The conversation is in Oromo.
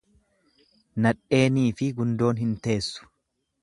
Nadheeniifi gundoon hin teessu.